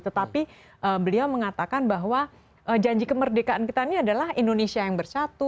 tetapi beliau mengatakan bahwa janji kemerdekaan kita ini adalah indonesia yang bersatu